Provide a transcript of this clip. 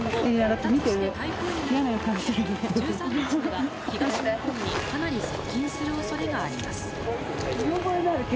「１３日には東日本にかなり接近する恐れがあります」